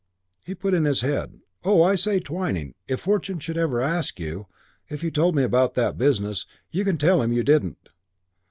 He put in his head. "Oh, I say, Twyning, if Fortune should ever ask you if you told me about that business, you can tell him you didn't."